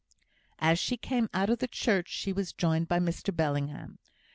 As she came out of church, she was joined by Mr Bellingham.